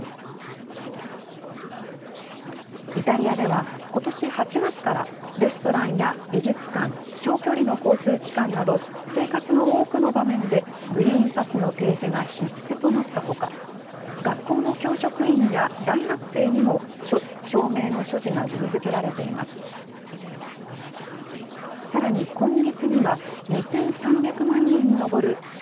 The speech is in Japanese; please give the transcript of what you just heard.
イタリアでは、ことし８月から、レストランや美術館、長距離の交通機関など、生活の多くの場面でグリーンパスの提示が必須となったほか、学校の教職員や大学生にも、証明の所持が義務づけられています。